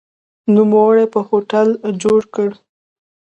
نوموړي په هوټل جوړ کړ.